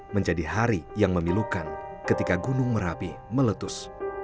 menjadi hari yang memilukan ketika gunung merapi meletus